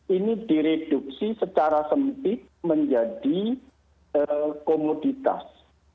ini direduksi secara sempit menjadi komoditas